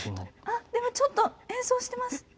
あっでもちょっと演奏してます。